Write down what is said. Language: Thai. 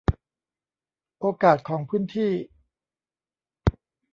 โอกาสของพื้นที่